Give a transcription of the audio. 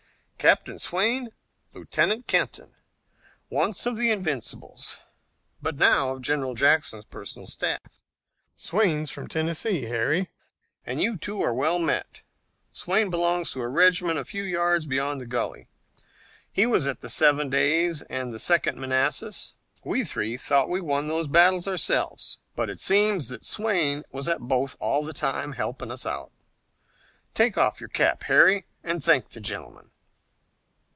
Captain Swayne, Lieutenant Kenton, once of the Invincibles, but now of General Jackson's personal staff. Swayne's from Tennessee, Harry, and you two are well met. Swayne belongs to a regiment a few yards beyond the gully. He was at the Seven Days and the Second Manassas. We three thought we won those battles ourselves, but it seems that Swayne was at both all the time, helping us. Take off your cap, Harry, and thank the gentleman."